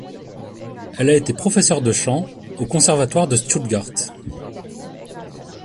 Elle a été professeure de chant au conservatoire de Stuttgart.